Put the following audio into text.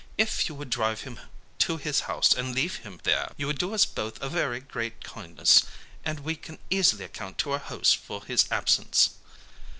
If you would drive him to his house and leave him there, you would do us both a very great kindness, and we can easily account to our hosts for his absence.'